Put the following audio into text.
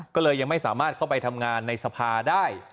ก็เลยยังไม่สามารถเข้าไปทำงานในสภาได้